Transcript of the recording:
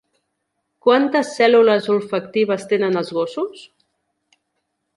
Quantes cèl·lules olfactives tenen els gossos?